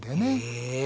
へえ。